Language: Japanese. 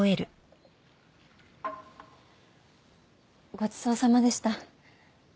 ごちそうさまでした。